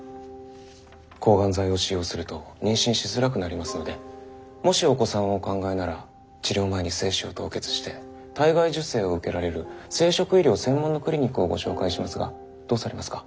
抗がん剤を使用すると妊娠しづらくなりますのでもしお子さんをお考えなら治療前に精子を凍結して体外受精を受けられる生殖医療専門のクリニックをご紹介しますがどうされますか？